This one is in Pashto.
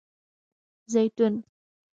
🫒 زیتون